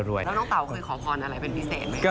แล้วน้องเต๋าเคยขอพรอะไรเป็นพิเศษไหมครับ